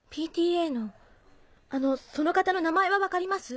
ＰＴＡのあのその方の名前は分かります？